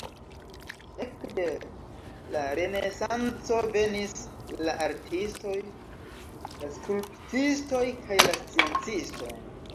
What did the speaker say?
Ekde la renesanco venis la artistoj, la skulptistoj kaj la sciencistoj.